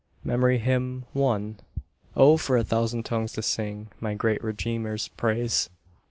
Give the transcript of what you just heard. MEMORY HYMN _"O for a thousand tongues to sing My great Redeemer's praise."